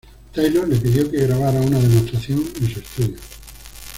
Taylor le pidió que grabara una demostración en su estudio.